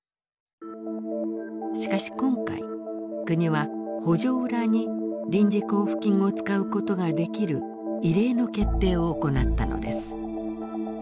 しかし今回国は補助裏に臨時交付金を使うことができる異例の決定を行ったのです。